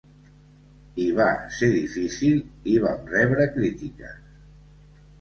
I va ser difícil i vam rebre crítiques.